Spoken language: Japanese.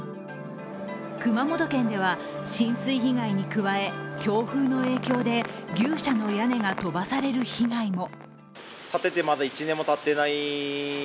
熊本県では浸水被害に加え、強風の影響で牛舎の屋根が飛ばされる被害も。